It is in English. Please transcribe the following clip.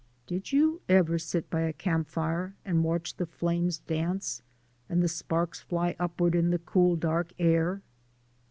Did you ever sit by a campfire and watch the flames dance, and the sparks fly upward into the cool dark air?